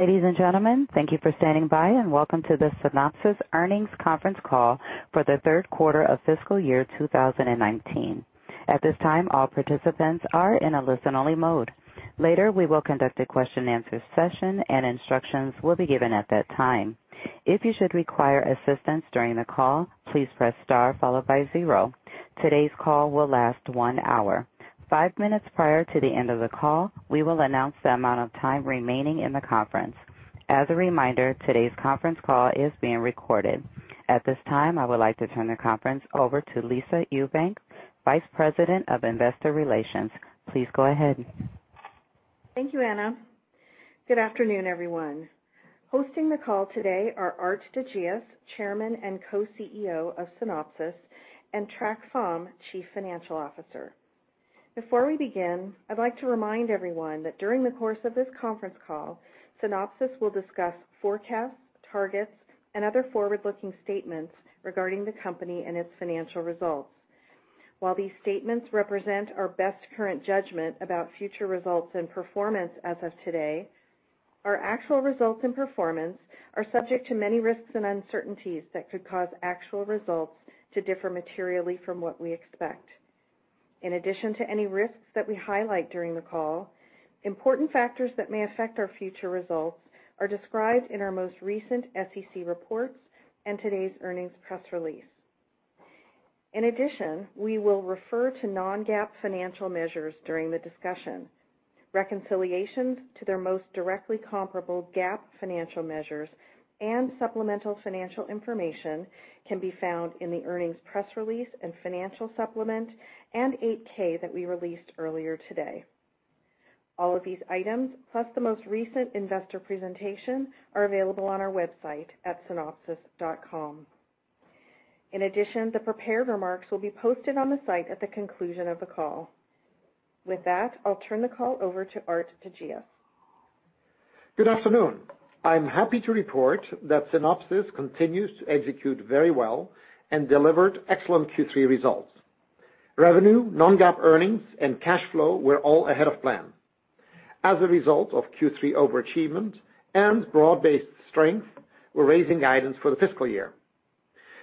Ladies and gentlemen, thank you for standing by and welcome to the Synopsys earnings conference call for the third quarter of fiscal year 2019. At this time, all participants are in a listen-only mode. Later, we will conduct a question and answer session and instructions will be given at that time. If you should require assistance during the call, please press star followed by zero. Today's call will last one hour. Five minutes prior to the end of the call, we will announce the amount of time remaining in the conference. As a reminder, today's conference call is being recorded. At this time, I would like to turn the conference over to Lisa Ewbank, Vice President of Investor Relations. Please go ahead. Thank you, Anna. Good afternoon, everyone. Hosting the call today are Aart de Geus, Chairman and Co-CEO of Synopsys, and Trac Pham, Chief Financial Officer. Before we begin, I'd like to remind everyone that during the course of this conference call, Synopsys will discuss forecasts, targets, and other forward-looking statements regarding the company and its financial results. While these statements represent our best current judgment about future results and performance as of today, our actual results and performance are subject to many risks and uncertainties that could cause actual results to differ materially from what we expect. In addition to any risks that we highlight during the call, important factors that may affect our future results are described in our most recent SEC reports and today's earnings press release. In addition, we will refer to non-GAAP financial measures during the discussion. Reconciliations to their most directly comparable GAAP financial measures and supplemental financial information can be found in the earnings press release and financial supplement and 8-K that we released earlier today. All of these items, plus the most recent investor presentation, are available on our website at synopsys.com. In addition, the prepared remarks will be posted on the site at the conclusion of the call. With that, I'll turn the call over to Aart de Geus. Good afternoon. I'm happy to report that Synopsys continues to execute very well and delivered excellent Q3 results. Revenue, non-GAAP earnings, and cash flow were all ahead of plan. As a result of Q3 overachievement and broad-based strength, we're raising guidance for the fiscal year.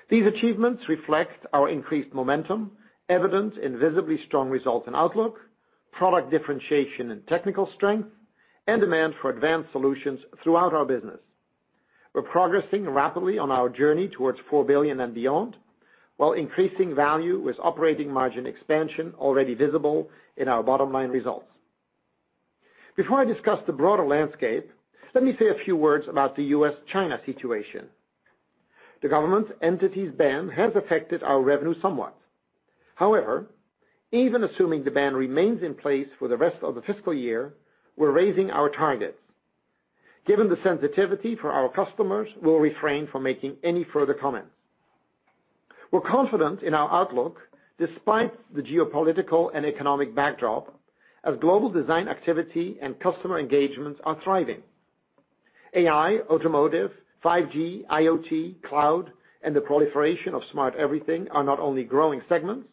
These achievements reflect our increased momentum, evident in visibly strong results and outlook, product differentiation and technical strength, and demand for advanced solutions throughout our business. We're progressing rapidly on our journey towards $4 billion and beyond, while increasing value with operating margin expansion already visible in our bottom-line results. Before I discuss the broader landscape, let me say a few words about the U.S.-China situation. The government entity's ban has affected our revenue somewhat. Even assuming the ban remains in place for the rest of the fiscal year, we're raising our targets. Given the sensitivity for our customers, we'll refrain from making any further comments. We're confident in our outlook despite the geopolitical and economic backdrop as global design activity and customer engagements are thriving. AI, automotive, 5G, IoT, cloud, and the proliferation of smart everything are not only growing segments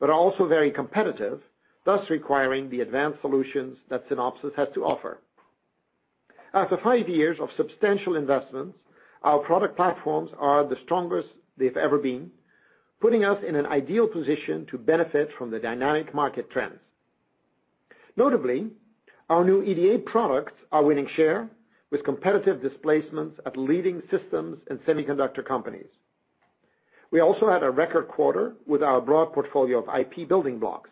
but are also very competitive, thus requiring the advanced solutions that Synopsys has to offer. After five years of substantial investments, our product platforms are the strongest they've ever been, putting us in an ideal position to benefit from the dynamic market trends. Notably, our new EDA products are winning share with competitive displacements at leading systems and semiconductor companies. We also had a record quarter with our broad portfolio of IP building blocks.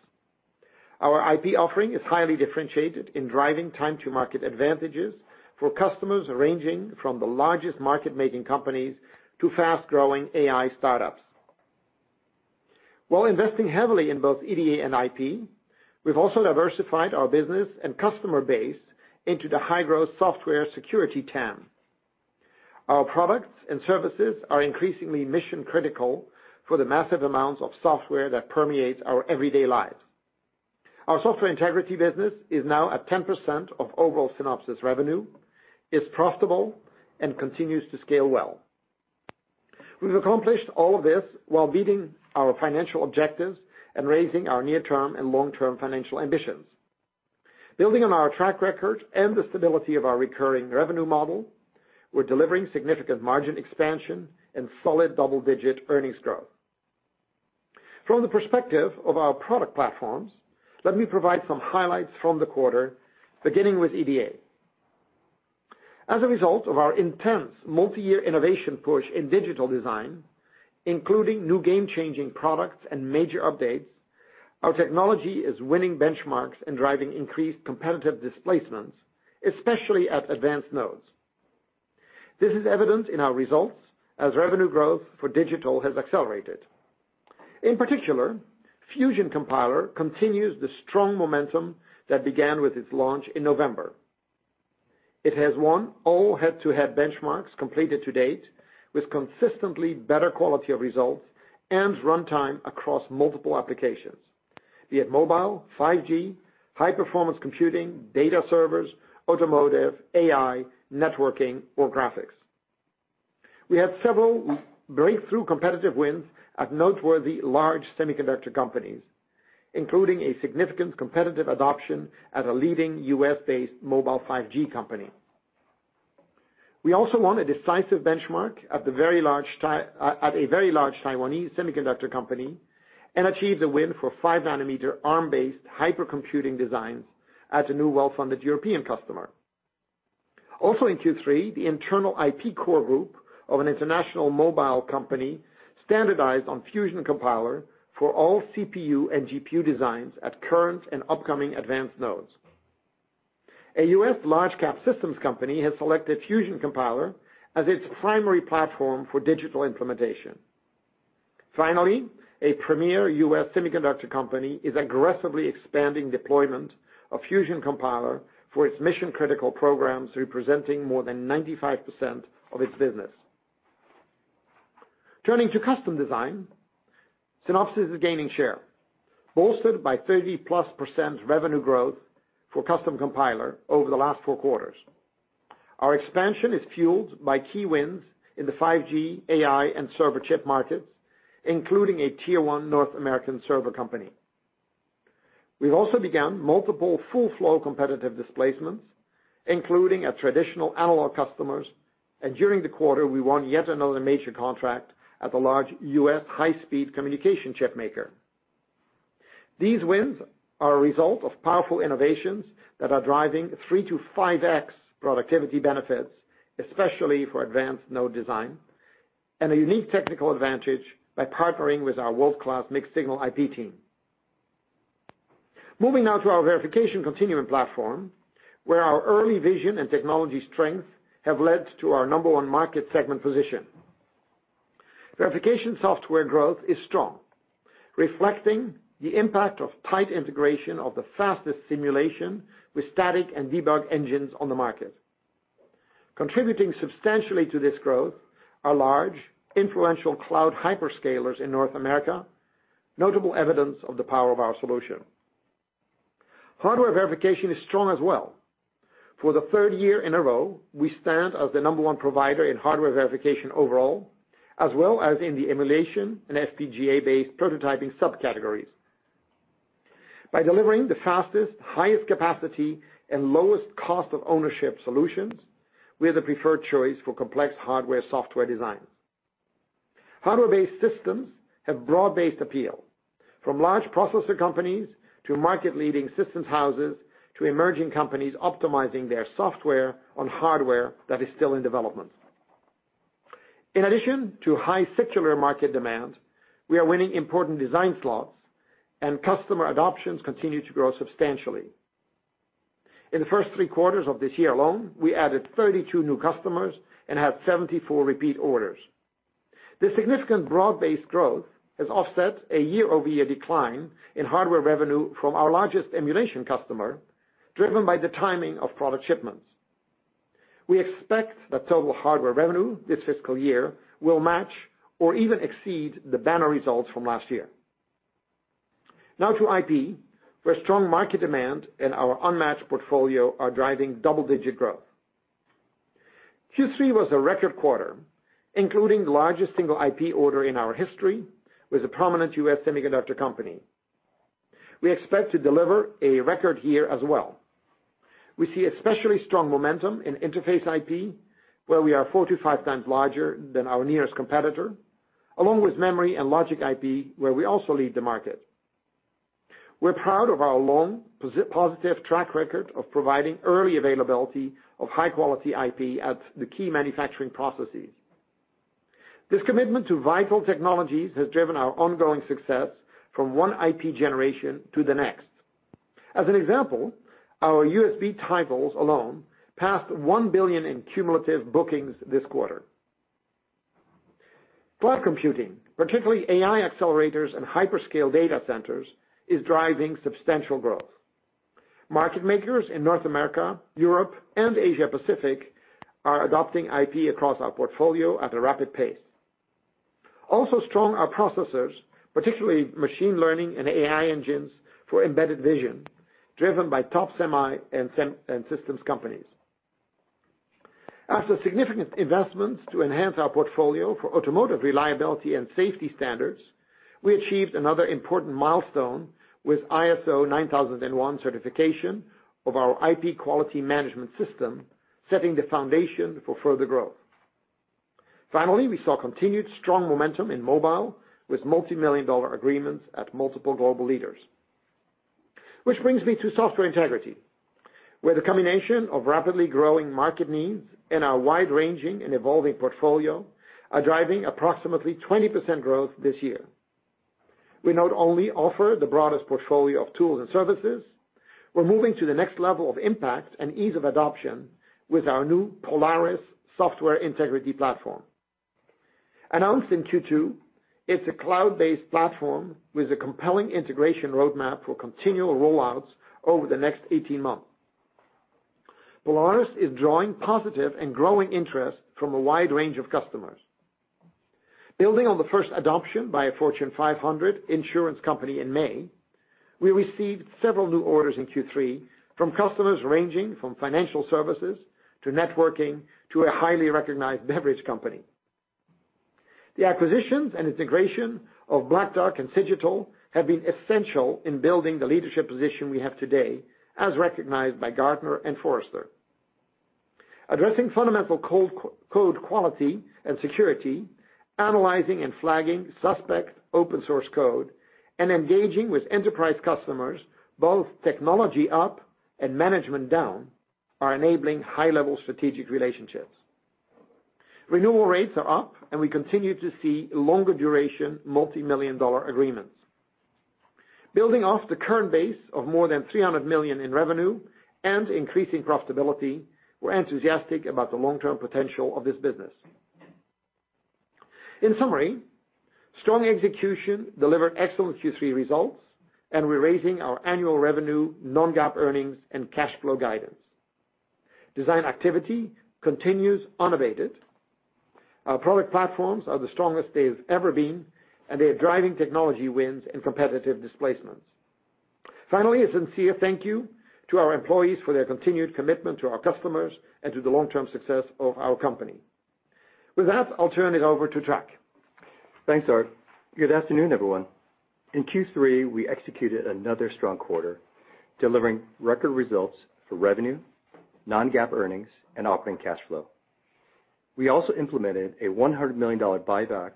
Our IP offering is highly differentiated in driving time to market advantages for customers ranging from the largest market-making companies to fast-growing AI startups. While investing heavily in both EDA and IP, we've also diversified our business and customer base into the high-growth software security TAM. Our products and services are increasingly mission critical for the massive amounts of software that permeates our everyday lives. Our software integrity business is now at 10% of overall Synopsys revenue, is profitable, and continues to scale well. We've accomplished all of this while beating our financial objectives and raising our near-term and long-term financial ambitions. Building on our track record and the stability of our recurring revenue model, we're delivering significant margin expansion and solid double-digit earnings growth. From the perspective of our product platforms, let me provide some highlights from the quarter, beginning with EDA. As a result of our intense multi-year innovation push in digital design, including new game-changing products and major updates, our technology is winning benchmarks and driving increased competitive displacements, especially at advanced nodes. This is evident in our results as revenue growth for digital has accelerated. In particular, Fusion Compiler continues the strong momentum that began with its launch in November. It has won all head-to-head benchmarks completed to date with consistently better quality of results and runtime across multiple applications, be it mobile, 5G, high-performance computing, data servers, automotive, AI, networking, or graphics. We have several breakthrough competitive wins at noteworthy large semiconductor companies, including a significant competitive adoption at a leading U.S.-based mobile 5G company. We also won a decisive benchmark at a very large Taiwanese semiconductor company and achieved a win for five nanometer ARM-based hyper computing designs at a new well-funded European customer. Also in Q3, the internal IP core group of an international mobile company standardized on Fusion Compiler for all CPU and GPU designs at current and upcoming advanced nodes. A U.S. large cap systems company has selected Fusion Compiler as its primary platform for digital implementation. Finally, a premier U.S. semiconductor company is aggressively expanding deployment of Fusion Compiler for its mission-critical programs, representing more than 95% of its business. Turning to custom design, Synopsys is gaining share, bolstered by 30-plus % revenue growth for Custom Compiler over the last four quarters. Our expansion is fueled by key wins in the 5G, AI, and server chip markets, including a tier 1 North American server company. We've also begun multiple full flow competitive displacements, including our traditional analog customers, and during the quarter, we won yet another major contract at the large U.S. high-speed communication chip maker. These wins are a result of powerful innovations that are driving 3x-5x productivity benefits, especially for advanced node design, and a unique technical advantage by partnering with our world-class mixed-signal IP team. Moving now to our verification continuum platform, where our early vision and technology strength have led to our number one market segment position. Verification software growth is strong, reflecting the impact of tight integration of the fastest simulation with static and debug engines on the market. Contributing substantially to this growth are large, influential cloud hyperscalers in North America, notable evidence of the power of our solution. Hardware verification is strong as well. For the third year in a row, we stand as the number one provider in hardware verification overall, as well as in the emulation and FPGA-based prototyping subcategories. By delivering the fastest, highest capacity, and lowest cost of ownership solutions, we are the preferred choice for complex hardware-software designs. Hardware-based systems have broad-based appeal, from large processor companies to market leading systems houses, to emerging companies optimizing their software on hardware that is still in development. In addition to high secular market demand, we are winning important design slots and customer adoptions continue to grow substantially. In the first three quarters of this year alone, we added 32 new customers and had 74 repeat orders. This significant broad-based growth has offset a year-over-year decline in hardware revenue from our largest emulation customer, driven by the timing of product shipments. We expect that total hardware revenue this fiscal year will match or even exceed the banner results from last year. Now to IP, where strong market demand and our unmatched portfolio are driving double-digit growth. Q3 was a record quarter, including the largest single IP order in our history with a prominent U.S. semiconductor company. We expect to deliver a record year as well. We see especially strong momentum in interface IP, where we are four to five times larger than our nearest competitor, along with memory and logic IP, where we also lead the market. We're proud of our long, positive track record of providing early availability of high-quality IP at the key manufacturing processes. This commitment to vital technologies has driven our ongoing success from one IP generation to the next. As an example, our USB titles alone passed $1 billion in cumulative bookings this quarter. Cloud computing, particularly AI accelerators and hyperscale data centers, is driving substantial growth. Market makers in North America, Europe, and Asia-Pacific are adopting IP across our portfolio at a rapid pace. Also strong are processors, particularly machine learning and AI engines for embedded vision, driven by top semi and systems companies. After significant investments to enhance our portfolio for automotive reliability and safety standards, we achieved another important milestone with ISO 9001 certification of our IP quality management system, setting the foundation for further growth. Finally, we saw continued strong momentum in mobile with multi-million dollar agreements at multiple global leaders. Which brings me to software integrity, where the combination of rapidly growing market needs and our wide-ranging and evolving portfolio are driving approximately 20% growth this year. We not only offer the broadest portfolio of tools and services, we're moving to the next level of impact and ease of adoption with our new Polaris software integrity platform. Announced in Q2, it's a cloud-based platform with a compelling integration roadmap for continual rollouts over the next 18 months. Polaris is drawing positive and growing interest from a wide range of customers. Building on the first adoption by a Fortune 500 insurance company in May, we received several new orders in Q3 from customers ranging from financial services to networking to a highly recognized beverage company. The acquisitions and integration of Black Duck and Cigital have been essential in building the leadership position we have today, as recognized by Gartner and Forrester. Addressing fundamental code quality and security, analyzing and flagging suspect open source code, and engaging with enterprise customers, both technology up and management down, are enabling high-level strategic relationships. Renewal rates are up, and we continue to see longer duration, multimillion-dollar agreements. Building off the current base of more than $300 million in revenue and increasing profitability, we're enthusiastic about the long-term potential of this business. In summary, strong execution delivered excellent Q3 results. We're raising our annual revenue, non-GAAP earnings, and cash flow guidance. Design activity continues unabated. Our product platforms are the strongest they've ever been. They are driving technology wins and competitive displacements. Finally, a sincere thank you to our employees for their continued commitment to our customers and to the long-term success of our company. With that, I'll turn it over to Chuck. Thanks, Aart. Good afternoon, everyone. In Q3, we executed another strong quarter, delivering record results for revenue, non-GAAP earnings, and operating cash flow. We also implemented a $100 million buyback,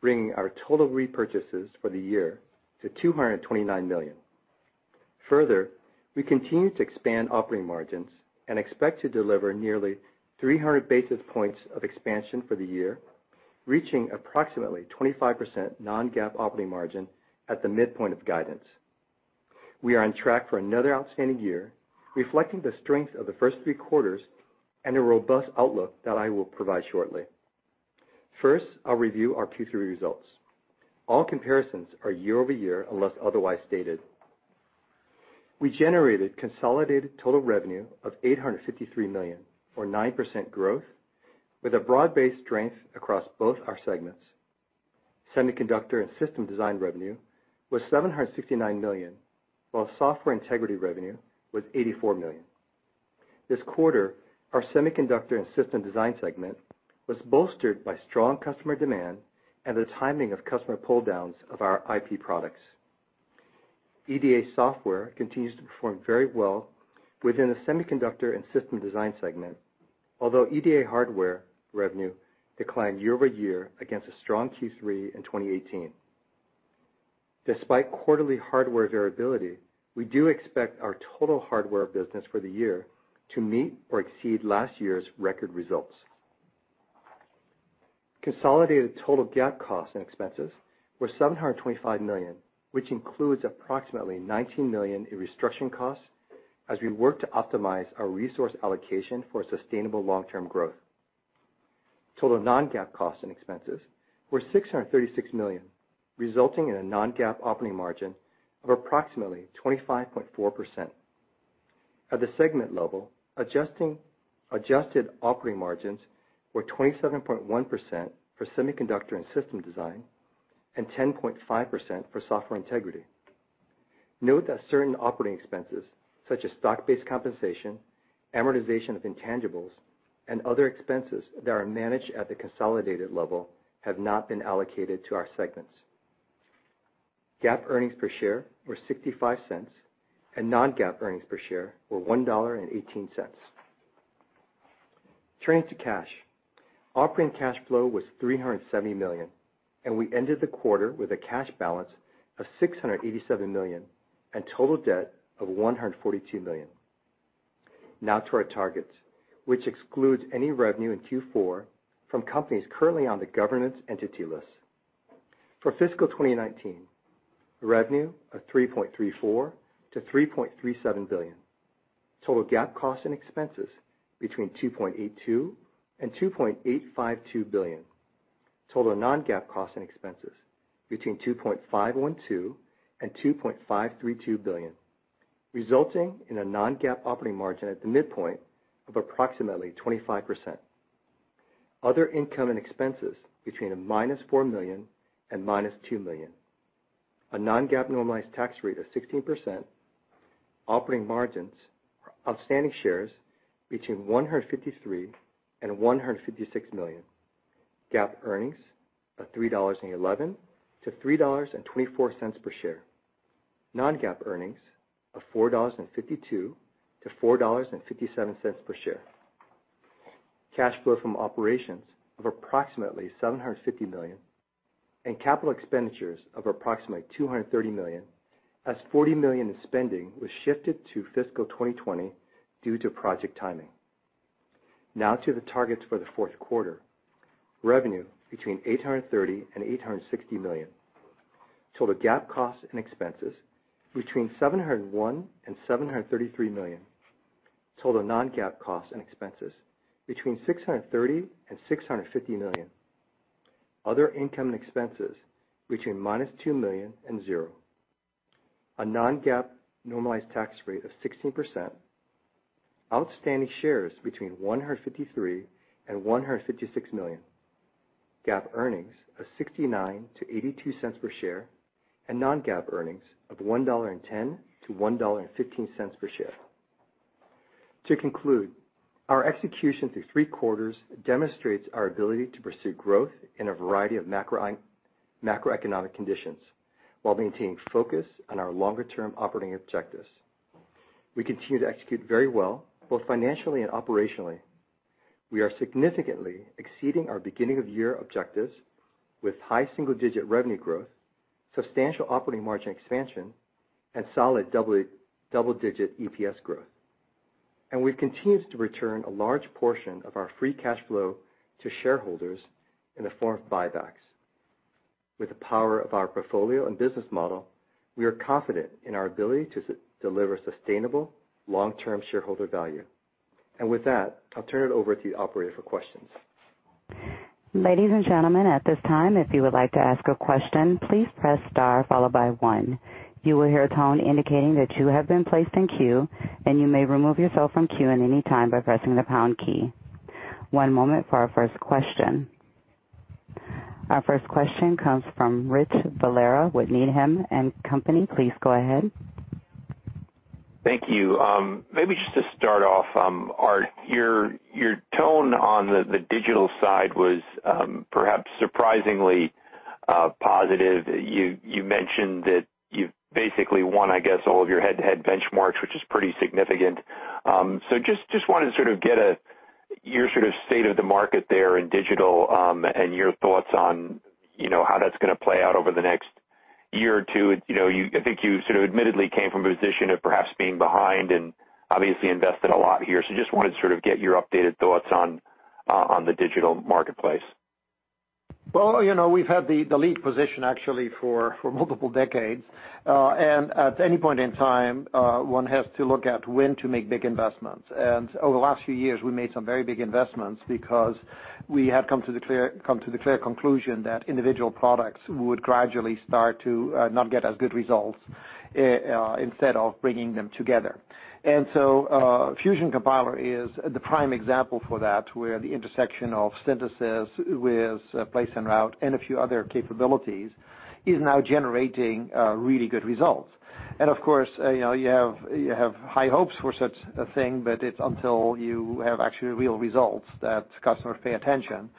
bringing our total repurchases for the year to $229 million. We continue to expand operating margins and expect to deliver nearly 300 basis points of expansion for the year, reaching approximately 25% non-GAAP operating margin at the midpoint of guidance. We are on track for another outstanding year, reflecting the strength of the first three quarters and a robust outlook that I will provide shortly. First, I'll review our Q3 results. All comparisons are year-over-year, unless otherwise stated. We generated consolidated total revenue of $853 million, or 9% growth, with a broad-based strength across both our segments. Semiconductor and system design revenue was $769 million, while software integrity revenue was $84 million. This quarter, our semiconductor and system design segment was bolstered by strong customer demand and the timing of customer pulldowns of our IP products. EDA software continues to perform very well within the semiconductor and system design segment, although EDA hardware revenue declined year-over-year against a strong Q3 in 2018. Despite quarterly hardware variability, we do expect our total hardware business for the year to meet or exceed last year's record results. Consolidated total GAAP costs and expenses were $725 million, which includes approximately $19 million in restructuring costs as we work to optimize our resource allocation for sustainable long-term growth. Total non-GAAP costs and expenses were $636 million, resulting in a non-GAAP operating margin of approximately 25.4%. At the segment level, adjusted operating margins were 27.1% for Semiconductor and System Design and 10.5% for Software Integrity. Note that certain operating expenses, such as stock-based compensation, amortization of intangibles, and other expenses that are managed at the consolidated level have not been allocated to our segments. GAAP earnings per share were $0.65. Non-GAAP earnings per share were $1.18. Turning to cash. Operating cash flow was $370 million. We ended the quarter with a cash balance of $687 million and total debt of $142 million. Now to our targets, which excludes any revenue in Q4 from companies currently on the Entity List. For fiscal 2019, revenue of $3.34 billion-$3.37 billion. Total GAAP costs and expenses between $2.82 billion and $2.852 billion. Total non-GAAP costs and expenses between $2.512 billion and $2.532 billion, resulting in a non-GAAP operating margin at the midpoint of approximately 25%. Other income and expenses between minus $4 million and minus $2 million. A non-GAAP normalized tax rate of 16%. Outstanding shares between 153 million and 156 million. GAAP earnings of $3.11 to $3.24 per share. Non-GAAP earnings of $4.52 to $4.57 per share. Cash flow from operations of approximately $750 million, and capital expenditures of approximately $230 million, as $40 million in spending was shifted to fiscal 2020 due to project timing. Now to the targets for the fourth quarter. Revenue between $830 million and $860 million. Total GAAP costs and expenses between $701 million and $733 million. Total non-GAAP costs and expenses between $630 million and $650 million. Other income and expenses between -$2 million and zero. A non-GAAP normalized tax rate of 16%, outstanding shares between 153 and 156 million, GAAP earnings of $0.69 to $0.82 per share, and non-GAAP earnings of $1.10 to $1.15 per share. To conclude, our execution through three quarters demonstrates our ability to pursue growth in a variety of macroeconomic conditions, while maintaining focus on our longer-term operating objectives. We continue to execute very well, both financially and operationally. We are significantly exceeding our beginning of year objectives with high single-digit revenue growth, substantial operating margin expansion, and solid double-digit EPS growth. We've continued to return a large portion of our free cash flow to shareholders in the form of buybacks. With the power of our portfolio and business model, we are confident in our ability to deliver sustainable long-term shareholder value. With that, I'll turn it over to the operator for questions. Ladies and gentlemen, at this time, if you would like to ask a question, please press star followed by one. You will hear a tone indicating that you have been placed in queue, and you may remove yourself from queue at any time by pressing the pound key. One moment for our first question. Our first question comes from Rich Valera with Needham & Company. Please go ahead. Thank you. Maybe just to start off, Aart, your tone on the digital side was perhaps surprisingly positive. You mentioned that you've basically won, I guess, all of your head-to-head benchmarks, which is pretty significant. Just wanted to sort of get your state of the market there in digital, and your thoughts on how that's going to play out over the next year or two. I think you sort of admittedly came from a position of perhaps being behind and obviously invested a lot here. Just wanted to sort of get your updated thoughts on the digital marketplace. Well, we've had the lead position actually for multiple decades. At any point in time, one has to look at when to make big investments. Over the last few years, we made some very big investments because we have come to the clear conclusion that individual products would gradually start to not get as good results instead of bringing them together. Fusion Compiler is the prime example for that, where the intersection of synthesis with place and route and a few other capabilities is now generating really good results. Of course, you have high hopes for such a thing, but it's until you have actually real results that customers pay attention,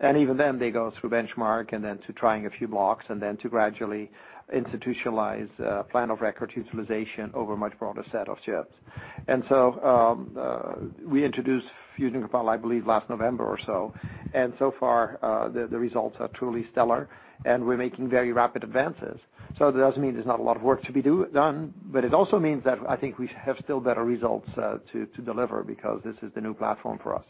and even then they go through benchmark and then to trying a few blocks and then to gradually institutionalize plan of record utilization over a much broader set of chips. We introduced Fusion Compiler, I believe last November or so, and so far, the results are truly stellar and we're making very rapid advances. That doesn't mean there's not a lot of work to be done, but it also means that I think we have still better results to deliver because this is the new platform for us.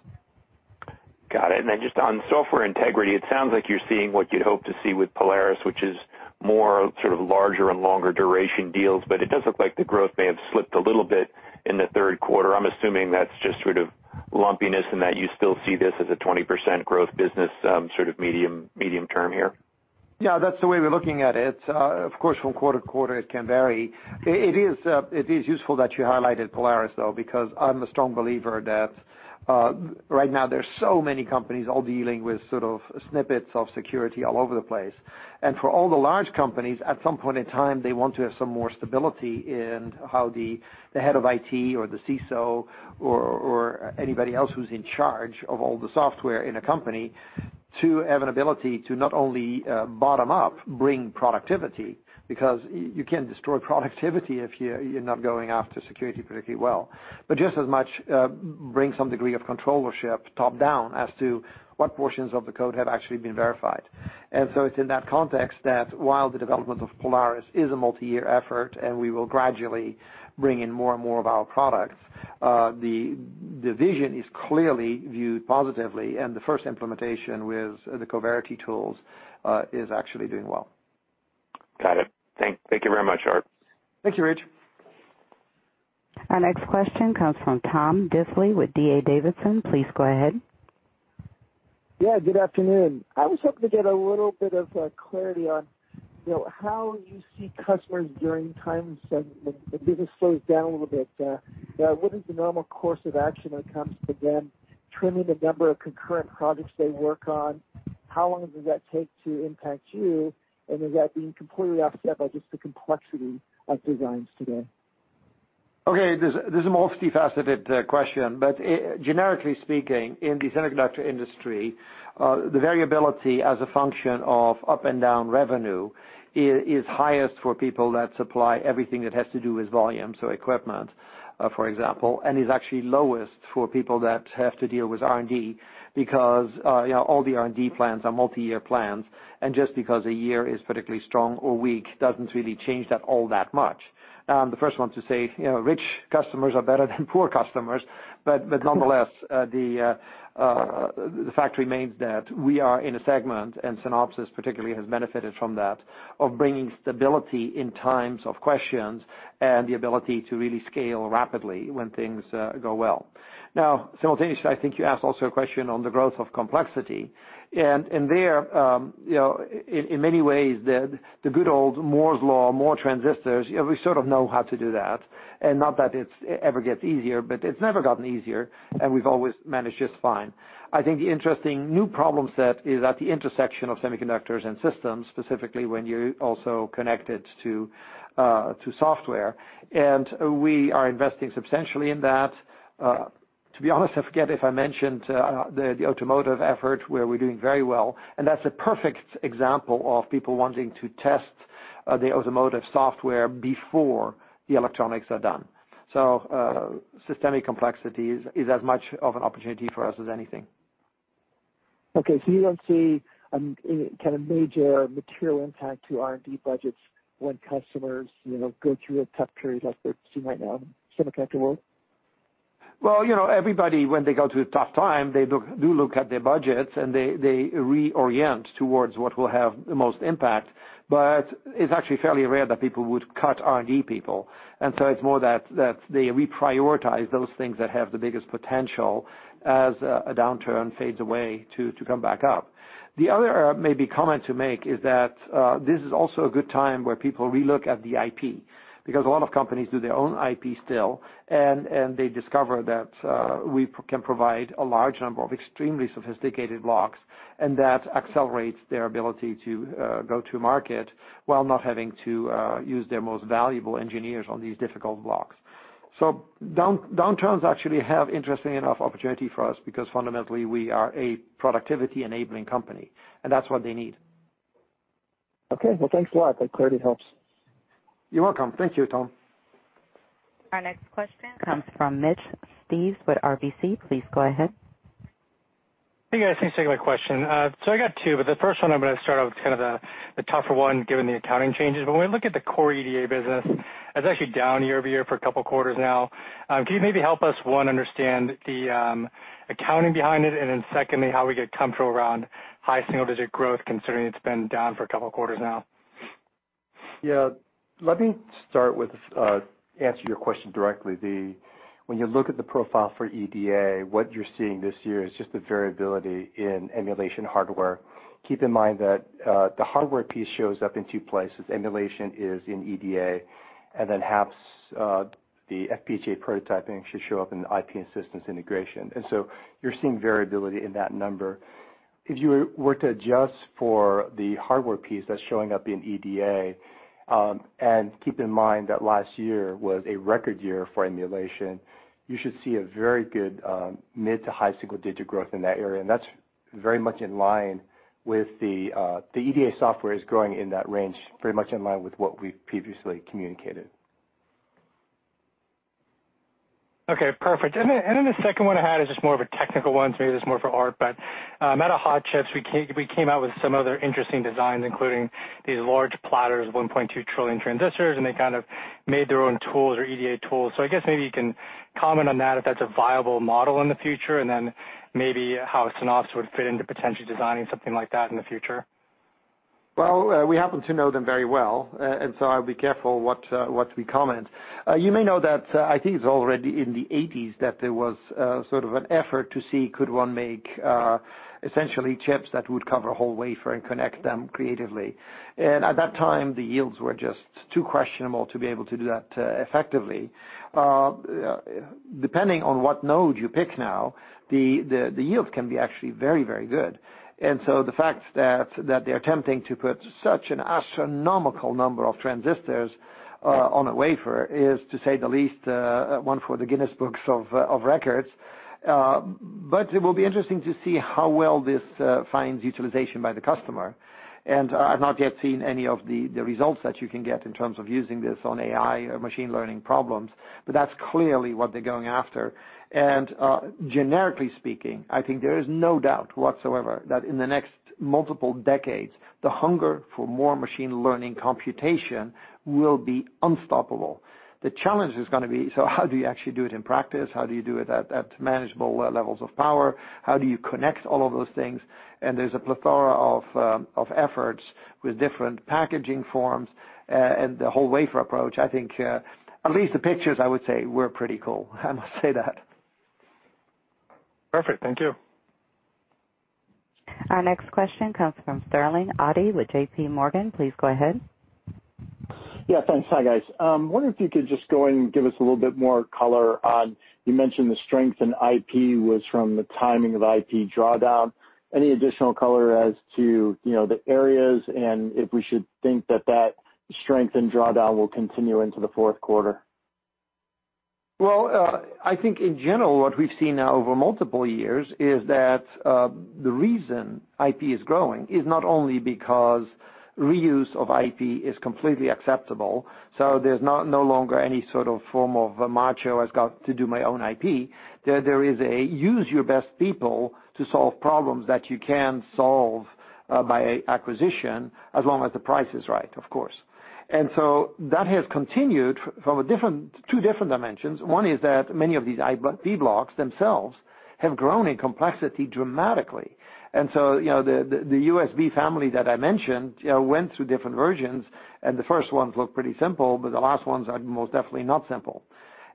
Got it. Just on software integrity, it sounds like you're seeing what you'd hope to see with Polaris, which is more sort of larger and longer duration deals, but it does look like the growth may have slipped a little bit in the third quarter. I'm assuming that's just sort of lumpiness and that you still see this as a 20% growth business sort of medium term here. Yeah, that's the way we're looking at it. Of course, from quarter to quarter, it can vary. It is useful that you highlighted Polaris, though, because I'm a strong believer that right now there's so many companies all dealing with sort of snippets of security all over the place. For all the large companies, at some point in time, they want to have some more stability in how the head of IT or the CISO or anybody else who's in charge of all the software in a company to have an ability to not only bottom up bring productivity, because you can destroy productivity if you're not going after security particularly well, but just as much, bring some degree of controllership top-down as to what portions of the code have actually been verified. It's in that context that while the development of Polaris is a multi-year effort, and we will gradually bring in more and more of our products, the division is clearly viewed positively, and the first implementation with the Coverity tools is actually doing well. Got it. Thank you very much, Aart. Thank you, Rich. Our next question comes from Tom Diffely with D.A. Davidson. Please go ahead. Yeah, good afternoon. I was hoping to get a little bit of clarity on how you see customers during times when the business slows down a little bit. What is the normal course of action when it comes to them trimming the number of concurrent products they work on? How long does that take to impact you? Is that being completely offset by just the complexity of designs today? Okay, this is a multifaceted question, but generically speaking, in the semiconductor industry, the variability as a function of up and down revenue is highest for people that supply everything that has to do with volume, so equipment, for example, and is actually lowest for people that have to deal with R&D because all the R&D plans are multi-year plans, and just because a year is particularly strong or weak doesn't really change that all that much. I'm the first one to say rich customers are better than poor customers, but nonetheless, the fact remains that we are in a segment, and Synopsys particularly has benefited from that, of bringing stability in times of questions and the ability to really scale rapidly when things go well. Simultaneously, I think you asked also a question on the growth of complexity. There, in many ways, the good old Moore's Law, more transistors, we sort of know how to do that. Not that it ever gets easier, but it's never gotten easier, and we've always managed just fine. I think the interesting new problem set is at the intersection of semiconductors and systems, specifically when you're also connected to software. We are investing substantially in that. To be honest, I forget if I mentioned the automotive effort, where we're doing very well, and that's a perfect example of people wanting to test the automotive software before the electronics are done. Systemic complexity is as much of an opportunity for us as anything. Okay. You don't see any kind of major material impact to R&D budgets when customers go through a tough period as they're seeing right now in the semiconductor world? Well, everybody, when they go through a tough time, they do look at their budgets and they reorient towards what will have the most impact. It's actually fairly rare that people would cut R&D people, and so it's more that they reprioritize those things that have the biggest potential as a downturn fades away to come back up. The other maybe comment to make is that, this is also a good time where people relook at the IP, because a lot of companies do their own IP still, and they discover that we can provide a large number of extremely sophisticated blocks, and that accelerates their ability to go to market while not having to use their most valuable engineers on these difficult blocks. Downturns actually have interesting enough opportunity for us because fundamentally we are a productivity-enabling company, and that's what they need. Okay. Well, thanks a lot. That clearly helps. You're welcome. Thank you, Tom. Our next question comes from Mitch Steves with RBC. Please go ahead. Hey, guys. Thanks for taking my question. I got two, but the first one I'm going to start out with kind of the tougher one, given the accounting changes. When we look at the core EDA business, it's actually down year-over-year for a couple of quarters now. Can you maybe help us, one, understand the accounting behind it, and then secondly, how we get comfortable around high single-digit growth, considering it's been down for a couple of quarters now? Yeah. Let me start with answering your question directly. When you look at the profile for EDA, what you're seeing this year is just the variability in emulation hardware. Keep in mind that the hardware piece shows up in two places. Emulation is in EDA, and then HAPS, the FPGA prototyping should show up in the IP and systems integration. You're seeing variability in that number. If you were to adjust for the hardware piece that's showing up in EDA, and keep in mind that last year was a record year for emulation, you should see a very good mid to high single-digit growth in that area, and that's very much in line with the EDA software is growing in that range, pretty much in line with what we've previously communicated. Okay, perfect. The second one I had is just more of a technical one, so maybe this is more for Aart, but Meta Hot Chips, we came out with some other interesting designs, including these large platters, 1.2 trillion transistors, and they kind of made their own tools or EDA tools. I guess maybe you can comment on that, if that's a viable model in the future, and then maybe how Synopsys would fit into potentially designing something like that in the future. Well, we happen to know them very well, and so I'll be careful what we comment. You may know that I think it's already in the '80s that there was sort of an effort to see could one make essentially chips that would cover a whole wafer and connect them creatively. At that time, the yields were just too questionable to be able to do that effectively. Depending on what node you pick now, the yield can be actually very, very good. The fact that they're attempting to put such an astronomical number of transistors on a wafer is, to say the least, one for the Guinness Book of Records. It will be interesting to see how well this finds utilization by the customer. I've not yet seen any of the results that you can get in terms of using this on AI or machine learning problems, but that's clearly what they're going after. Generically speaking, I think there is no doubt whatsoever that in the next multiple decades, the hunger for more machine learning computation will be unstoppable. The challenge is going to be, so how do you actually do it in practice? How do you do it at manageable levels of power? How do you connect all of those things? There's a plethora of efforts with different packaging forms, and the whole wafer approach, I think, at least the pictures, I would say, were pretty cool, I must say that. Perfect. Thank you. Our next question comes from Sterling Auty with JPMorgan. Please go ahead. Yeah, thanks. Hi, guys. Wondering if you could just go and give us a little bit more color on, you mentioned the strength in IP was from the timing of IP drawdown. Any additional color as to the areas and if we should think that strength in drawdown will continue into the fourth quarter? I think in general, what we've seen now over multiple years is that, the reason IP is growing is not only because reuse of IP is completely acceptable, so there's no longer any sort of form of macho, "I've got to do my own IP." There is a use your best people to solve problems that you can solve by acquisition, as long as the price is right, of course. That has continued from two different dimensions. One is that many of these IP blocks themselves have grown in complexity dramatically. The USB family that I mentioned went through different versions, and the first ones looked pretty simple, but the last ones are most definitely not simple.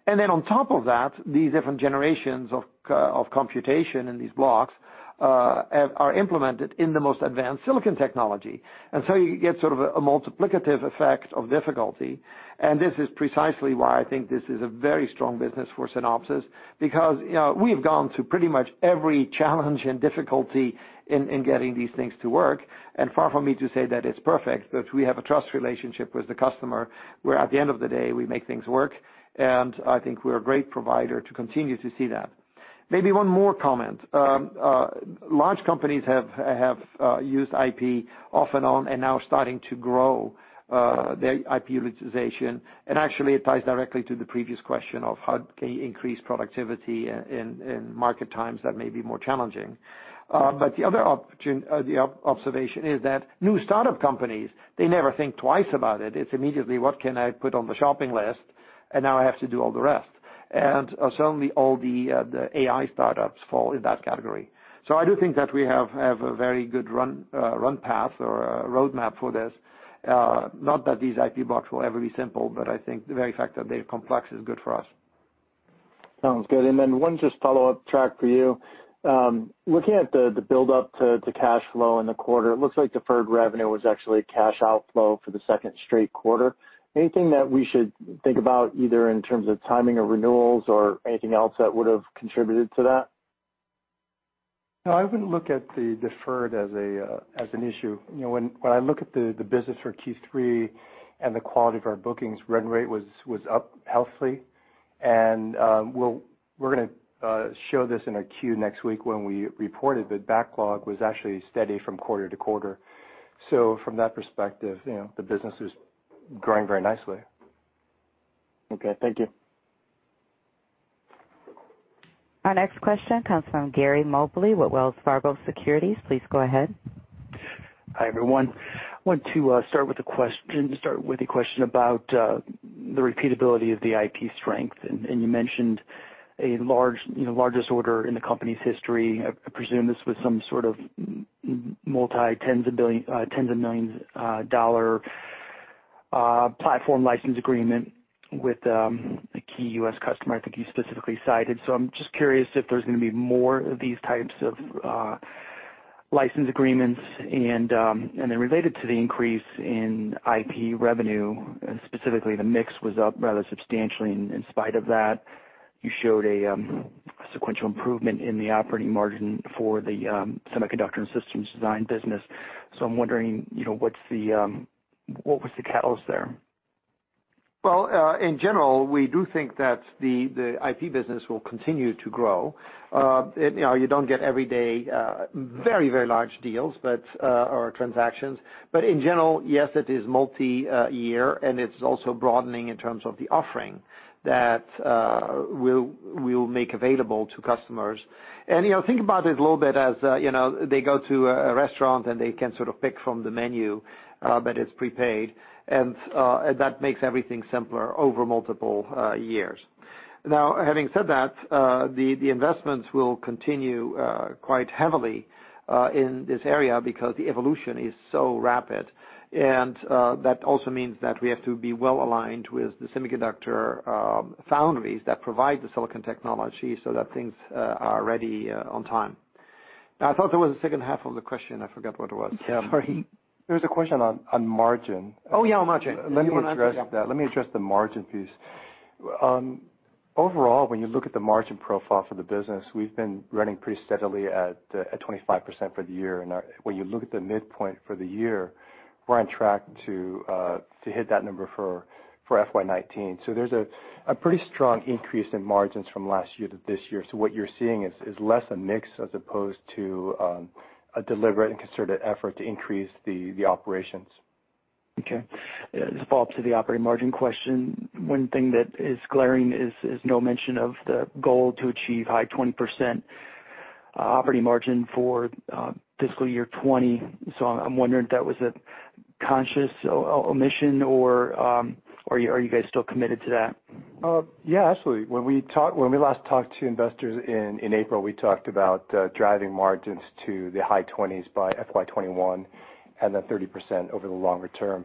Then on top of that, these different generations of computation in these blocks are implemented in the most advanced silicon technology. You get sort of a multiplicative effect of difficulty, and this is precisely why I think this is a very strong business for Synopsys, because we have gone through pretty much every challenge and difficulty in getting these things to work. Far from me to say that it's perfect, but we have a trust relationship with the customer, where at the end of the day, we make things work, and I think we're a great provider to continue to see that. Maybe one more comment. Large companies have used IP off and on and now are starting to grow their IP utilization. Actually, it ties directly to the previous question of how can you increase productivity in market times that may be more challenging. The other observation is that new startup companies, they never think twice about it. It's immediately, what can I put on the shopping list? Now I have to do all the rest. Certainly, all the AI startups fall in that category. I do think that we have a very good run path or a roadmap for this. Not that these IP blocks will ever be simple, but I think the very fact that they're complex is good for us. Sounds good. One just follow-up, Trac, for you. Looking at the build-up to cash flow in the quarter, it looks like deferred revenue was actually cash outflow for the second straight quarter. Anything that we should think about, either in terms of timing of renewals or anything else that would've contributed to that? I wouldn't look at the deferred as an issue. When I look at the business for Q3 and the quality of our bookings, run rate was up healthily. We're going to show this in our Q next week when we reported that backlog was actually steady from quarter to quarter. From that perspective, the business is growing very nicely. Okay, thank you. Our next question comes from Gary Mobley with Wells Fargo Securities. Please go ahead. Hi, everyone. I want to start with a question about the repeatability of the IP strength. You mentioned a largest order in the company's history. I presume this was some sort of multi-tens of millions dollar platform license agreement with a key U.S. customer I think you specifically cited. I'm just curious if there's going to be more of these types of license agreements, and then related to the increase in IP revenue, specifically, the mix was up rather substantially, and in spite of that, you showed a sequential improvement in the operating margin for the semiconductor and systems design business. I'm wondering, what was the catalyst there? Well, in general, we do think that the IP business will continue to grow. You don't get every day very large deals or transactions. In general, yes, it is multi-year, and it's also broadening in terms of the offering that we'll make available to customers. Think about it a little bit as they go to a restaurant, and they can sort of pick from the menu, but it's prepaid, and that makes everything simpler over multiple years. Having said that, the investments will continue quite heavily in this area because the evolution is so rapid. That also means that we have to be well-aligned with the semiconductor foundries that provide the silicon technology so that things are ready on time. I thought there was a second half of the question. I forgot what it was. Sorry. There was a question on margin. Oh, yeah, on margin. Let me address that. Let me address the margin piece. Overall, when you look at the margin profile for the business, we've been running pretty steadily at 25% for the year. When you look at the midpoint for the year, we're on track to hit that number for FY 2019. There's a pretty strong increase in margins from last year to this year. What you're seeing is less a mix as opposed to a deliberate and concerted effort to increase the operations. Okay. Just to follow up to the operating margin question, one thing that is glaring is no mention of the goal to achieve high 20% operating margin for fiscal year 2020. I'm wondering if that was a conscious omission, or are you guys still committed to that? Yeah, absolutely. When we last talked to investors in April, we talked about driving margins to the high 20s by FY 2021, and then 30% over the longer term.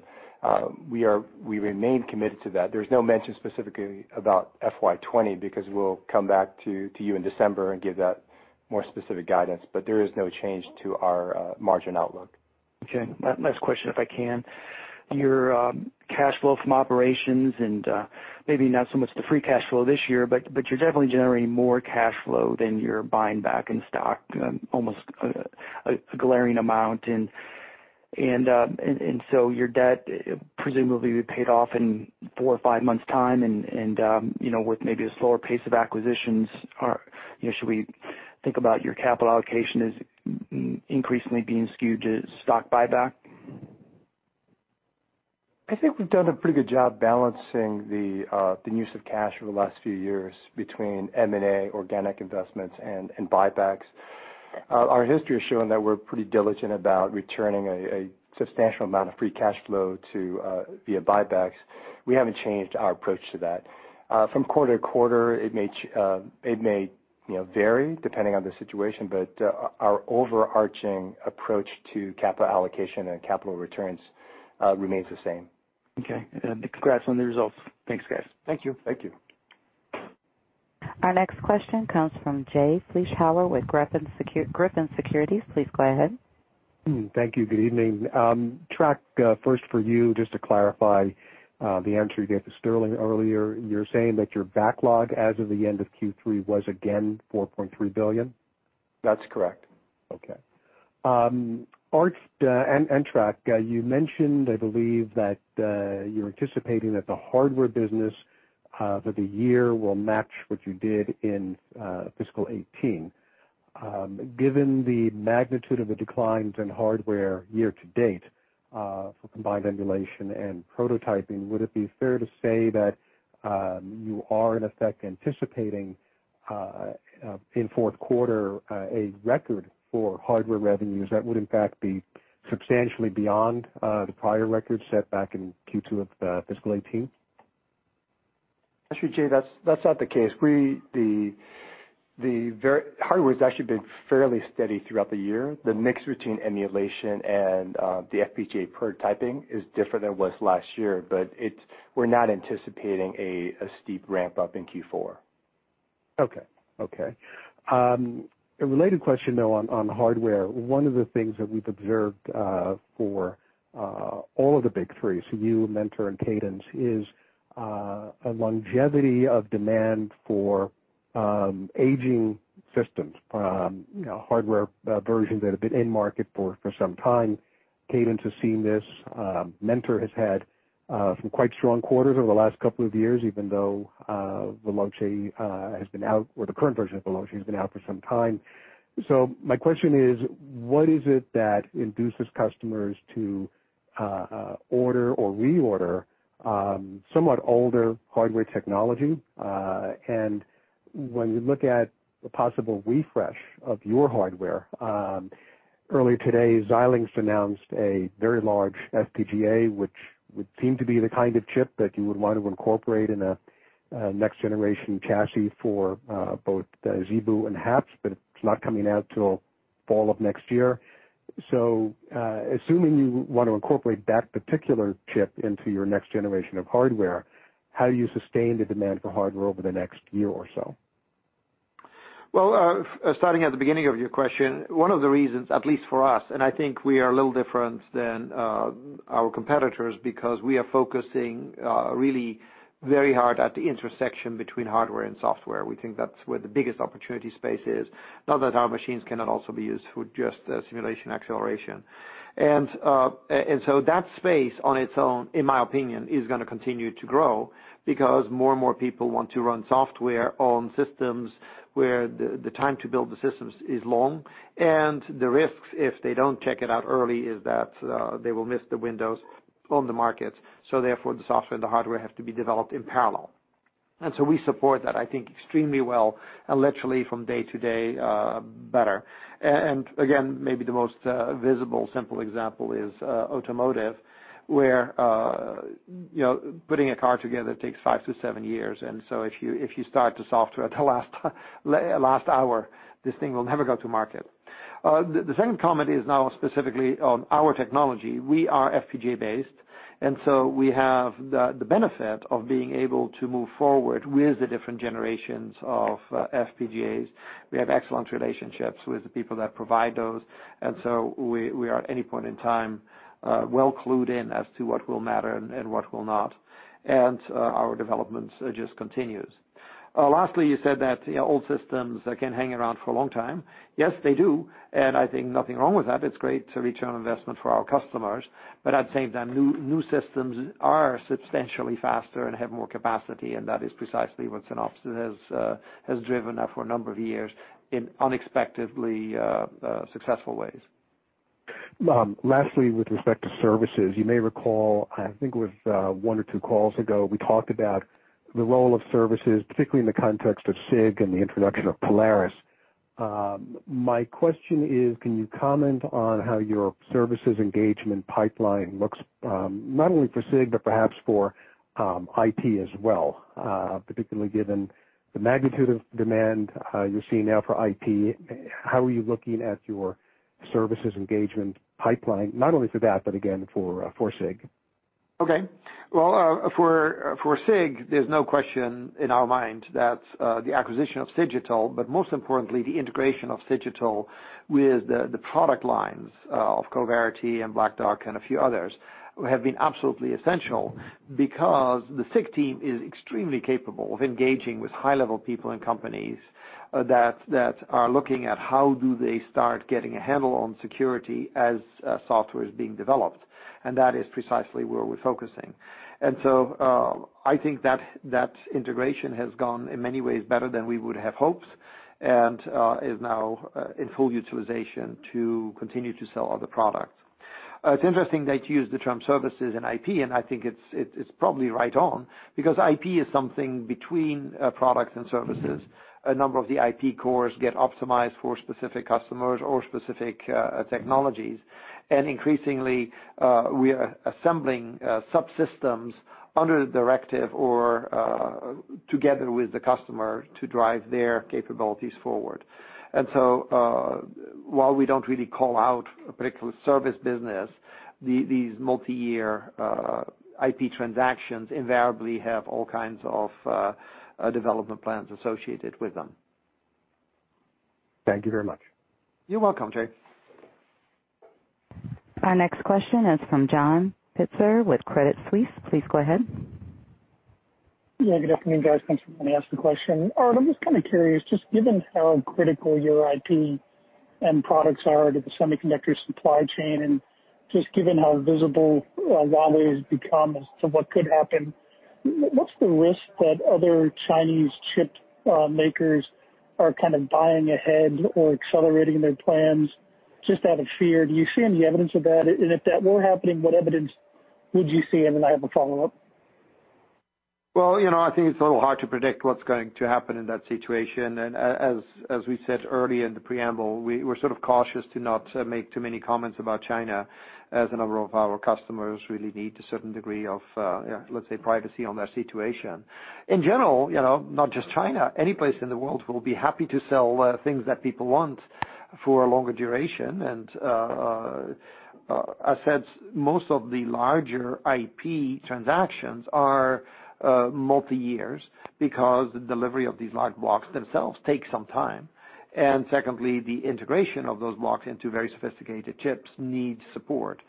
We remain committed to that. There's no mention specifically about FY 2020 because we'll come back to you in December and give that more specific guidance. There is no change to our margin outlook. Okay, last question, if I can. Your cash flow from operations, and maybe not so much the free cash flow this year, but you're definitely generating more cash flow than you're buying back in stock, almost a glaring amount. Your debt presumably will be paid off in four or five months' time and with maybe a slower pace of acquisitions. Should we think about your capital allocation as increasingly being skewed to stock buyback? I think we've done a pretty good job balancing the use of cash over the last few years between M&A, organic investments, and buybacks. Our history has shown that we're pretty diligent about returning a substantial amount of free cash flow via buybacks. We haven't changed our approach to that. From quarter to quarter, it may vary depending on the situation, but our overarching approach to capital allocation and capital returns remains the same. Okay. Congrats on the results. Thanks, guys. Thank you. Thank you. Our next question comes from Jay Vleeschhouwer with Griffin Securities. Please go ahead. Thank you. Good evening. Trac, first for you, just to clarify the answer you gave to Sterling earlier, you're saying that your backlog as of the end of Q3 was again $4.3 billion? That's correct. Okay. Aart and Trac, you mentioned, I believe that you're anticipating that the hardware business for the year will match what you did in fiscal 2018. Given the magnitude of the declines in hardware year to date for combined emulation and prototyping, would it be fair to say that you are in effect anticipating, in fourth quarter, a record for hardware revenues that would in fact be substantially beyond the prior record set back in Q2 of fiscal 2018? Actually, Jay, that's not the case. The hardware's actually been fairly steady throughout the year. The mix between emulation and the FPGA prototyping is different than it was last year, but we're not anticipating a steep ramp-up in Q4. Okay. A related question, though, on hardware. One of the things that we've observed for all of the big three, so you, Mentor, and Cadence, is a longevity of demand for aging systems, hardware versions that have been in market for some time. Cadence has seen this. Mentor has had some quite strong quarters over the last couple of years, even though the current version of Veloce has been out for some time. My question is, what is it that induces customers to order or reorder somewhat older hardware technology? When you look at a possible refresh of your hardware, earlier today, Xilinx announced a very large FPGA, which would seem to be the kind of chip that you would want to incorporate in a next-generation chassis for both ZeBu and HAPS, but it's not coming out till fall of next year. Assuming you want to incorporate that particular chip into your next generation of hardware, how do you sustain the demand for hardware over the next year or so? Well, starting at the beginning of your question, one of the reasons, at least for us, and I think we are a little different than our competitors because we are focusing really very hard at the intersection between hardware and software. We think that's where the biggest opportunity space is. Not that our machines cannot also be used for just simulation acceleration. That space on its own, in my opinion, is going to continue to grow because more and more people want to run software on systems where the time to build the systems is long, and the risks, if they don't check it out early, is that they will miss the windows on the market. Therefore, the software and the hardware have to be developed in parallel. We support that, I think, extremely well and literally from day to day better. Again, maybe the most visible simple example is automotive, where putting a car together takes 5-7 years. If you start the software at the last hour, this thing will never go to market. The second comment is now specifically on our technology. We are FPGA-based, and so we have the benefit of being able to move forward with the different generations of FPGAs. We have excellent relationships with the people that provide those, and so we are, at any point in time, well clued in as to what will matter and what will not. Our development just continues. Lastly, you said that old systems can hang around for a long time. Yes, they do, and I think nothing wrong with that. It's great to return investment for our customers. At the same time, new systems are substantially faster and have more capacity, and that is precisely what Synopsys has driven for a number of years in unexpectedly successful ways. Lastly, with respect to services, you may recall, I think it was one or two calls ago, we talked about the role of services, particularly in the context of SIG and the introduction of Polaris. My question is, can you comment on how your services engagement pipeline looks, not only for SIG, but perhaps for IP as well, particularly given the magnitude of demand you're seeing now for IP? How are you looking at your services engagement pipeline, not only for that, but again, for SIG? Well, for SIG, there's no question in our mind that the acquisition of Cigital, but most importantly, the integration of Cigital with the product lines of Coverity and Black Duck and a few others, have been absolutely essential because the SIG team is extremely capable of engaging with high-level people and companies that are looking at how do they start getting a handle on security as software is being developed. That is precisely where we're focusing. I think that integration has gone in many ways better than we would have hoped and is now in full utilization to continue to sell other products. It's interesting that you use the term services and IP, and I think it's probably right on because IP is something between products and services. A number of the IP cores get optimized for specific customers or specific technologies. Increasingly, we are assembling subsystems under the directive or together with the customer to drive their capabilities forward. While we don't really call out a particular service business, these multi-year IP transactions invariably have all kinds of development plans associated with them. Thank you very much. You're welcome, Jay. Our next question is from John Pitzer with Credit Suisse. Please go ahead. Yeah, good afternoon, guys. Thanks for letting me ask the question. Aart, I'm just kind of curious, just given how critical your IP and products are to the semiconductor supply chain, and just given how visible Huawei has become as to what could happen, what's the risk that other Chinese chip makers are kind of buying ahead or accelerating their plans just out of fear? Do you see any evidence of that? If that were happening, what evidence would you see? I have a follow-up. Well, I think it's a little hard to predict what's going to happen in that situation. As we said early in the preamble, we're sort of cautious to not make too many comments about China, as a number of our customers really need a certain degree of, let's say, privacy on their situation. In general, not just China, any place in the world, we'll be happy to sell things that people want for a longer duration. As said, most of the larger IP transactions are multi-years because the delivery of these large blocks themselves takes some time. Secondly, the integration of those blocks into very sophisticated chips needs support.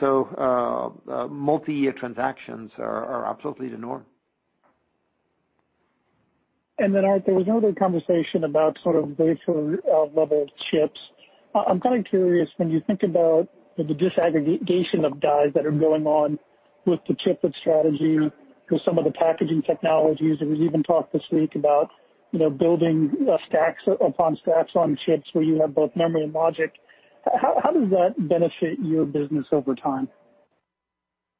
So, multi-year transactions are absolutely the norm. Aart, there was another conversation about sort of data level chips. I'm kind of curious, when you think about the disaggregation of dies that are going on with the Chiplet strategy, with some of the packaging technologies, and we've even talked this week about building stacks upon stacks on chips where you have both memory and logic. How does that benefit your business over time?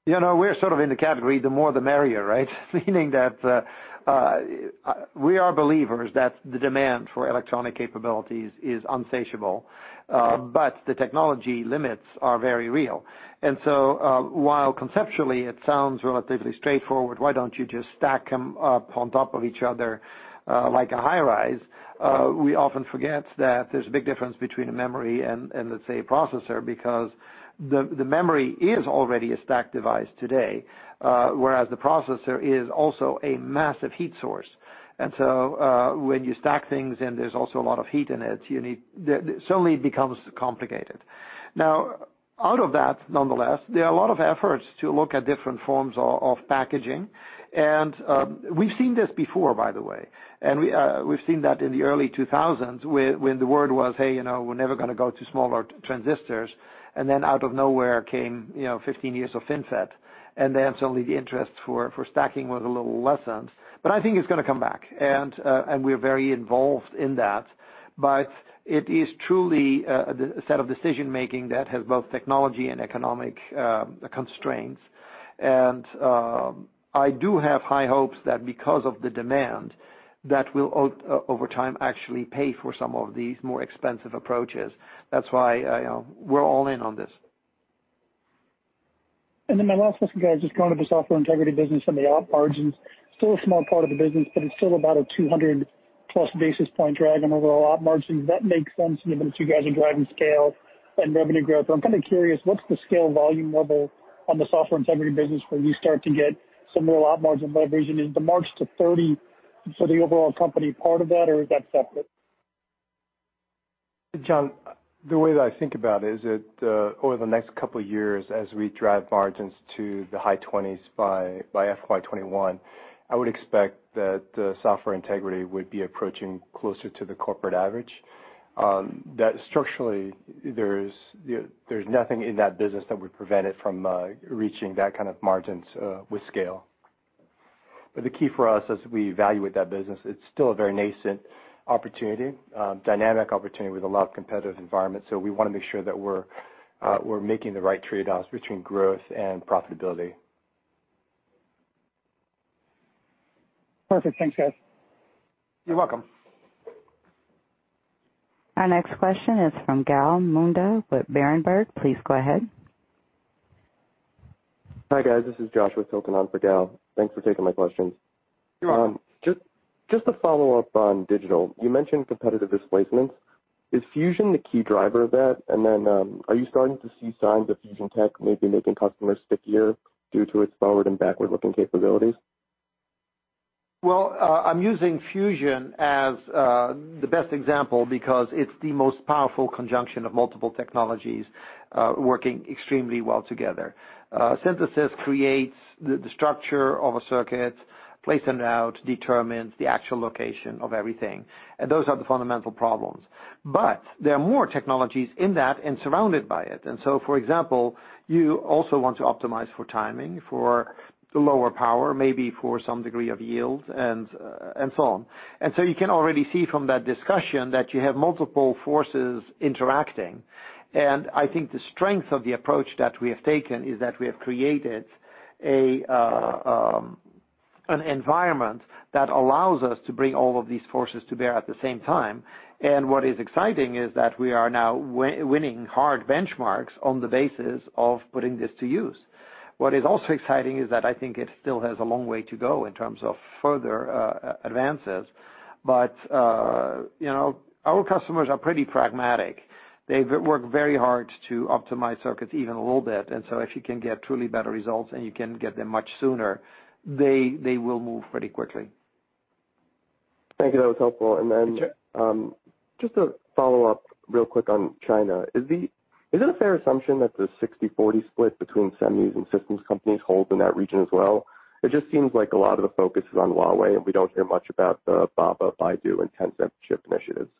We're sort of in the category, the more the merrier, right? Meaning that we are believers that the demand for electronic capabilities is insatiable, but the technology limits are very real. While conceptually it sounds relatively straightforward, why don't you just stack them up on top of each other like a high rise, we often forget that there's a big difference between a memory and, let's say, a processor, because the memory is already a stacked device today, whereas the processor is also a massive heat source. When you stack things and there's also a lot of heat in it suddenly becomes complicated. Out of that, nonetheless, there are a lot of efforts to look at different forms of packaging. We've seen this before, by the way. We've seen that in the early 2000s when the word was, "Hey, we're never going to go to smaller transistors." Then out of nowhere came 15 years of FinFET, and then suddenly the interest for stacking was a little lessened. I think it's going to come back, and we're very involved in that. It is truly a set of decision-making that has both technology and economic constraints. I do have high hopes that because of the demand, that will, over time, actually pay for some of these more expensive approaches. That's why we're all in on this. My last question, guys. Just going to the software integrity business and the op margins, still a small part of the business, but it's still about a 200-plus basis point drag on overall op margins. That makes sense given that you guys are driving scale and revenue growth. I'm kind of curious, what's the scale volume level on the software integrity business where you start to get some more op margin leverage? Is the march to 30% for the overall company part of that, or is that separate? John, the way that I think about it is that over the next couple of years, as we drive margins to the high 20s by FY 2021, I would expect that the software integrity would be approaching closer to the corporate average. Structurally there's nothing in that business that would prevent it from reaching that kind of margins with scale. The key for us as we evaluate that business, it's still a very nascent opportunity, dynamic opportunity with a lot of competitive environment. We want to make sure that we're making the right trade-offs between growth and profitability. Perfect. Thanks, guys. You're welcome. Our next question is from Gal Munda with Berenberg. Please go ahead. Hi, guys. This is Josh with Tilton on for Gal. Thanks for taking my questions. You're welcome. Just a follow-up on digital. You mentioned competitive displacements. Is Fusion the key driver of that? Are you starting to see signs of Fusion tech maybe making customers stickier due to its forward and backward-looking capabilities? Well, I'm using Fusion as the best example because it's the most powerful conjunction of multiple technologies working extremely well together. Synthesis creates the structure of a circuit, place and route determines the actual location of everything. Those are the fundamental problems. There are more technologies in that and surrounded by it. For example, you also want to optimize for timing, for lower power, maybe for some degree of yield, and so on. You can already see from that discussion that you have multiple forces interacting. I think the strength of the approach that we have taken is that we have created an environment that allows us to bring all of these forces to bear at the same time. What is exciting is that we are now winning hard benchmarks on the basis of putting this to use. What is also exciting is that I think it still has a long way to go in terms of further advances. Our customers are pretty pragmatic. They work very hard to optimize circuits even a little bit, and so if you can get truly better results and you can get them much sooner, they will move pretty quickly. Thank you. That was helpful. Sure. Just a follow-up real quick on China. Is it a fair assumption that the 60-40 split between semis and systems companies holds in that region as well? It just seems like a lot of the focus is on Huawei, and we don't hear much about the Alibaba, Baidu, and Tencent chip initiatives.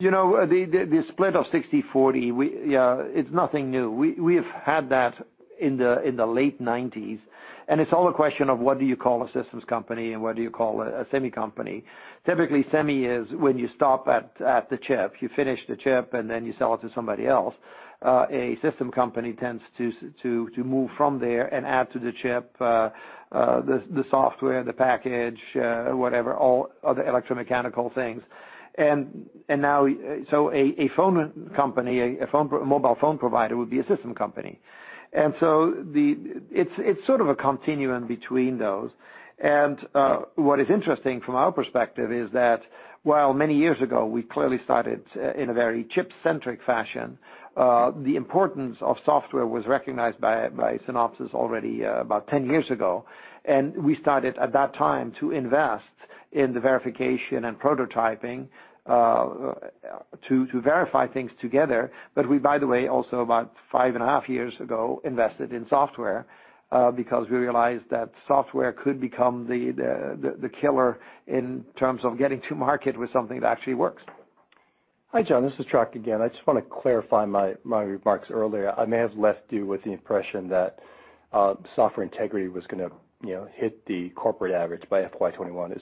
The split of 60-40, it's nothing new. We have had that in the late '90s, and it's all a question of what do you call a systems company and what do you call a semi company. Typically, semi is when you stop at the chip. You finish the chip, and then you sell it to somebody else. A system company tends to move from there and add to the chip, the software, the package, whatever, all other electromechanical things. A phone company, a mobile phone provider would be a system company. It's sort of a continuum between those. What is interesting from our perspective is that while many years ago, we clearly started in a very chip-centric fashion, the importance of software was recognized by Synopsys already about 10 years ago. We started at that time to invest in the verification and prototyping to verify things together. We, by the way, also about five and a half years ago, invested in software because we realized that software could become the killer in terms of getting to market with something that actually works. Hi, John, this is Chuck again. I just want to clarify my remarks earlier. I may have left you with the impression that software integrity was going to hit the corporate average by FY 2021.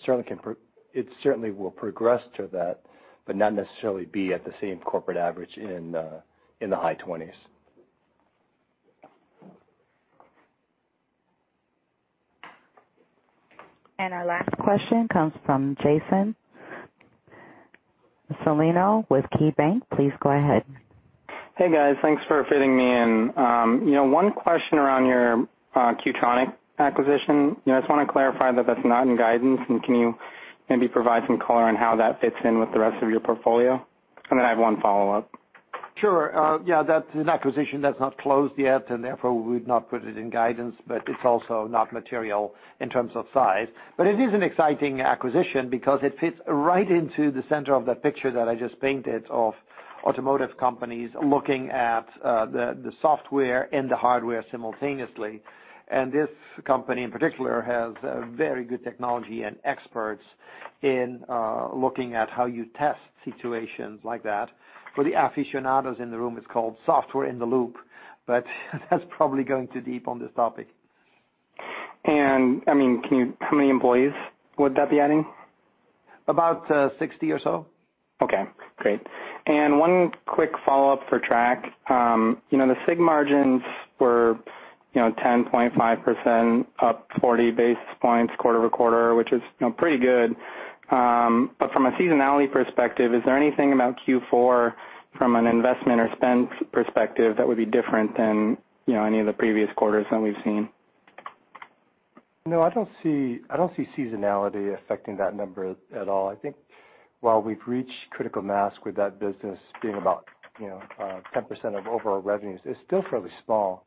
It certainly will progress to that, but not necessarily be at the same corporate average in the high 20s. Our last question comes from Jason Celino with KeyBank. Please go ahead. Hey, guys. Thanks for fitting me in. One question around your QTronic acquisition. I just want to clarify that that's not in guidance, and can you maybe provide some color on how that fits in with the rest of your portfolio? I have one follow-up. Sure. Yeah, that's an acquisition that's not closed yet, and therefore we would not put it in guidance, but it's also not material in terms of size. It is an exciting acquisition because it fits right into the center of the picture that I just painted of automotive companies looking at the software and the hardware simultaneously. This company in particular has very good technology and experts in looking at how you test situations like that. For the aficionados in the room, it's called Software-in-the-Loop, but that's probably going too deep on this topic. How many employees would that be adding? About 60 or so. Okay, great. One quick follow-up for Trac. The SIG margins were 10.5% up 40 basis points quarter-over-quarter, which is pretty good. From a seasonality perspective, is there anything about Q4 from an investment or spend perspective that would be different than any of the previous quarters that we've seen? I don't see seasonality affecting that number at all. I think while we've reached critical mass with that business being about 10% of overall revenues, it's still fairly small.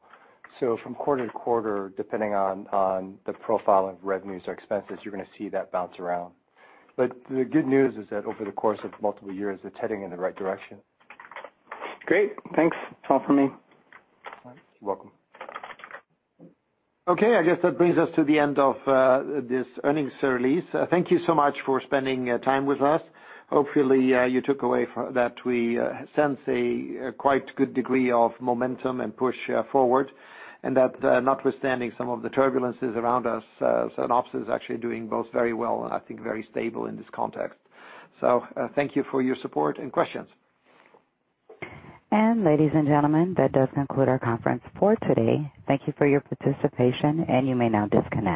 From quarter to quarter, depending on the profile of revenues or expenses, you're going to see that bounce around. The good news is that over the course of multiple years, it's heading in the right direction. Great. Thanks. That's all for me. You're welcome. Okay. I guess that brings us to the end of this earnings release. Thank you so much for spending time with us. Hopefully, you took away that we sense a quite good degree of momentum and push forward, and that notwithstanding some of the turbulences around us, Synopsys is actually doing both very well and I think very stable in this context. Thank you for your support and questions. Ladies and gentlemen, that does conclude our conference for today. Thank you for your participation, and you may now disconnect.